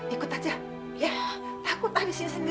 ikut saja takut ah di sini sendiri